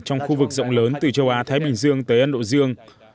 trong khu vực rộng lớn từ châu á thái bình dương tới ấn độ dương